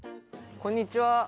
こんにちは。